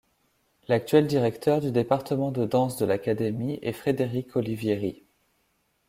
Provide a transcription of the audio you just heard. L'actuel directeur du département de danse de l'Académie est Frédéric Olivieri.